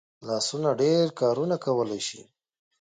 لاسونه ډېر کارونه کولی شي